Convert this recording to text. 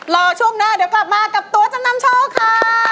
รอช่วงหน้าเดี๋ยวกลับมากับตัวจำนำโชคค่ะ